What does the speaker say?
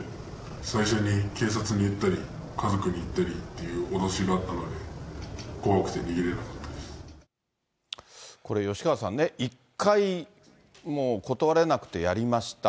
最初に警察に言ったり、家族にいったりっていう脅しがあったので、怖くて逃げれなかったこれ吉川さんね、１回もう断れなくてやりました。